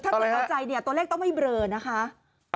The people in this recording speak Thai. ถ้าเกิดเอาใจเนี่ยตัวเลขต้องไม่เบลอนะคะ